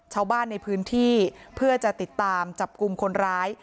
ชาวบ้านในพื้นที่เพื่อจะติดตามจับกลุ่มคนร้าย